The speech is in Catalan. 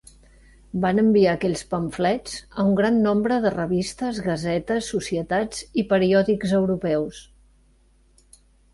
Va enviar aquells pamflets a un gran nombre de revistes, gasetes, societats i periòdics europeus.